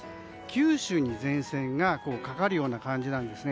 九州に前線がかかるような感じなんです。